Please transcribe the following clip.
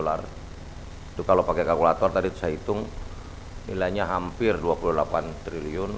itu kalau pakai kalkulator tadi saya hitung nilainya hampir dua puluh delapan triliun